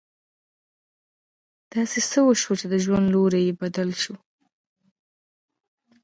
داسې څه وشول چې د ژوند لوری يې بدل شو.